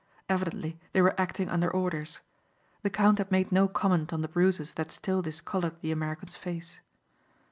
Evidently they were acting under orders. The count had made no comment on the bruises that still discoloured the American's face.